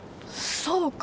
そうか。